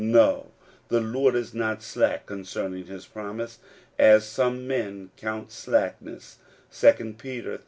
No. "The Lord is not slack concerning his promise, as some men count slackness" (2 Peter iii.